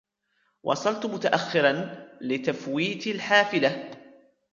وصلت متأخّرًا لتفويتي الحافلة.